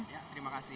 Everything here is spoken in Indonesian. ya terima kasih